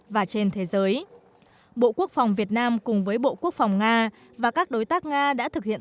và trên thế giới bộ quốc phòng việt nam cùng với bộ quốc phòng nga và các đối tác nga đã thực hiện